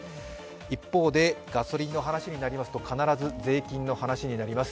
一方でガソリンの話になりますと必ず税金の話になります。